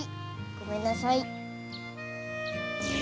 ごめんなさい。